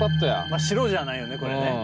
まあ白じゃないよねこれね。